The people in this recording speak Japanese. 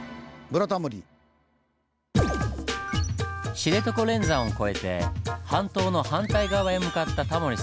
知床連山を越えて半島の反対側へ向かったタモリさん。